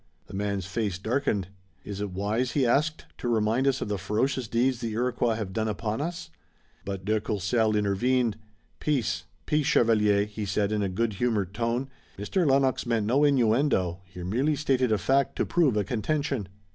The man's face darkened. "Is it wise," he asked, "to remind us of the ferocious deeds the Iroquois have done upon us," But de Courcelles intervened. "Peace! Peace, chevalier!" he said in a good humored tone. "Mr. Lennox meant no innuendo. He merely stated a fact to prove a contention."